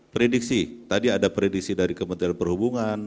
prediksi tadi ada prediksi dari kementerian perhubungan